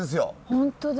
本当だ。